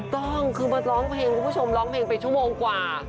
ถูกต้องคือมาร้องเพลงคุณผู้ชมร้องเพลงไปชั่วโมงกว่า